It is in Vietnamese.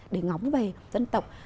để ngóng về dân tộc